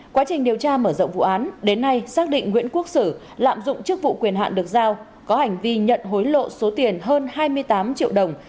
quá trình điều tra mở rộng vụ án đến nay xác định nguyễn quốc sử lạm dụng chức vụ quyền hạn được giao có hành vi nhận hối lộ số tiền hơn hai mươi tám triệu đồng